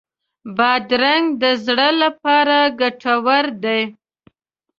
بادرنګ د زړه لپاره ګټور دی.